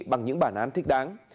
bằng những bản án thích đáng